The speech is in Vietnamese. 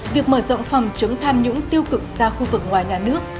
việc mở rộng phòng chống tham nhũng tiêu cực ra khu vực ngoài nhà nước